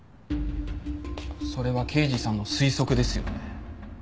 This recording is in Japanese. それは刑事さんの推測ですよね？